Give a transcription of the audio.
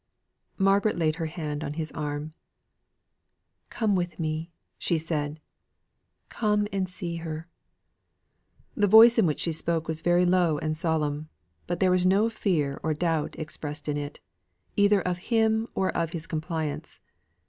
Margaret laid her hand on his arm. "Come with me," she said. "Come and see her!" The voice in which she spoke was very low and solemn; but there was no fear or doubt expressed in it, either of him or of his compliance.